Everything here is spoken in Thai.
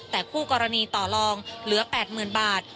แต่คู่กรณีต่อลองเหลือ๘๐๐๐บาท